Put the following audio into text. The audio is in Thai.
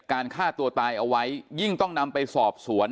ฆ่าตัวตายเอาไว้ยิ่งต้องนำไปสอบสวน